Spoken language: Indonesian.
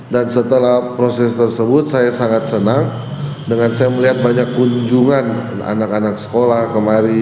dan setelah proses tersebut saya sangat senang dengan saya melihat banyak kunjungan anak anak sekolah kemari